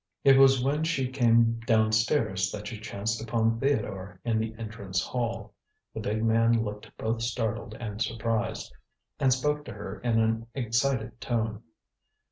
It was when she came downstairs that she chanced upon Theodore in the entrance hall. The big man looked both startled and surprised, and spoke to her in an excited tone.